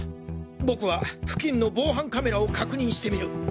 僕は付近の防犯カメラを確認してみる。